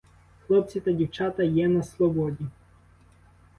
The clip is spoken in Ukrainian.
Хлопці та дівчата є на слободі.